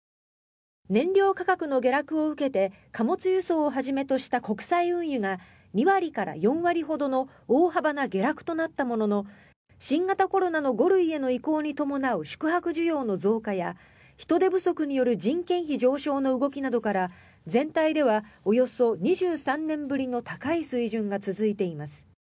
燃料価格の下落を受けて貨物輸送をはじめとした国際運輸が２割から４割ほどの大幅な下落となったものの新型コロナの５類への移行に伴う宿泊需要の増加や人手不足による人件費上昇の動きなどから全体ではおよそ２３年ぶりの高い水準が続いています。